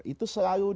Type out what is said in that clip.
itu selalu digunakan